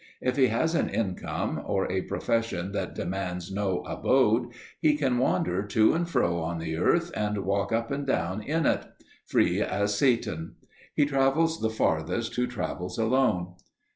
If he has an income, or a profession that demands no abode, he can wander "to and fro in the earth and walk up and down in it" free as Satan. He travels the farthest who travels alone.